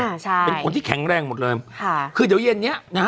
ใช่เป็นคนที่แข็งแรงหมดเลยค่ะคือเดี๋ยวเย็นเนี้ยนะฮะ